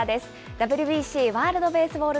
ＷＢＣ・ワールドベースボール